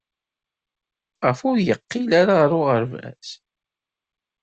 Maɣef ur yeqqil ara ɣer uɣerbaz?